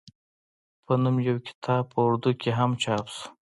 پۀ نوم يو بل کتاب پۀ اردو کښې هم چاپ شو